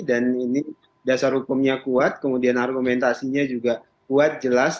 dan ini dasar hukumnya kuat kemudian argumentasinya juga kuat jelas